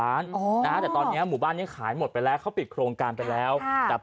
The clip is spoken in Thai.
อะไรแบบนี้แต่ว่าตรวจสอบแล้ว